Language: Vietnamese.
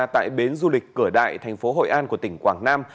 tại bến du lịch cửa đại thành phố hội an của tỉnh quảng nam